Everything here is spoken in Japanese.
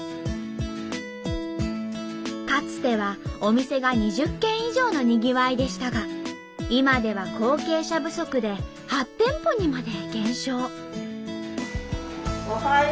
かつてはお店が２０軒以上のにぎわいでしたが今では後継者不足で８店舗にまで減少。